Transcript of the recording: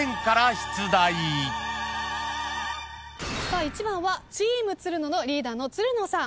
さあ１番はチームつるののリーダーのつるのさん。